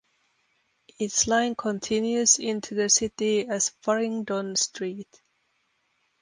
Its line continues into the City as Farringdon Street.